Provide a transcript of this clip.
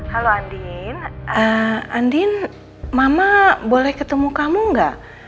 halo andien andien mama boleh ketemu kamu nggak